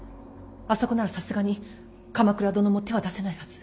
あそこならさすがに鎌倉殿も手は出せないはず。